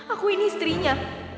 aku ini istrinya